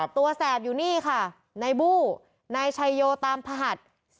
แสบอยู่นี่ค่ะนายบู้นายชัยโยตามพหัด